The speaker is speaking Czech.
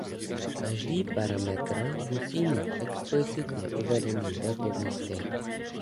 Každý parametr musí mít explicitně uvedený datový typ.